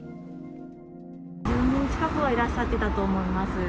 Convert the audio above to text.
１０人近くはいらっしゃってたと思います。